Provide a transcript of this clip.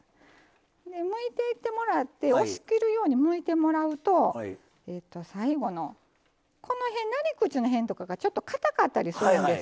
むいていってもらって押し切るようにむいてもらうと最後のこの辺なり口の辺とかがちょっとかたかったりするんですよ。